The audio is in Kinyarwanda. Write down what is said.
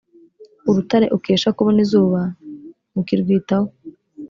urutare ukesha kubona izuba ntukirwitaho.